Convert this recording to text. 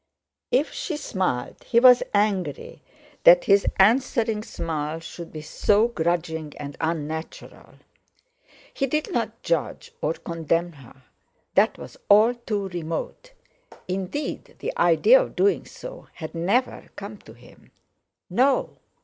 If she smiled he was angry that his answering smile should be so grudging and unnatural. He did not judge or condemn her; that was all too remote—indeed, the idea of doing so had never come to him. No!